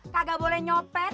kagak boleh nyopet